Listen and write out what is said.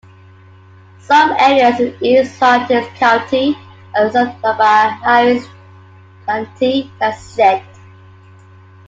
Some areas in east Hartis County are served by Harris County Transit.